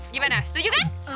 gimana setuju kan